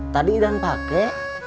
tadi idan pakai